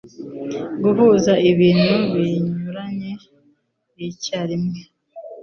Guhuza ibintu binyuranye icyarimwe